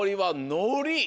のり！